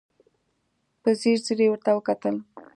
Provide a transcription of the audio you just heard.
په ځير ځير يې ورته وکتل.